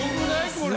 これ。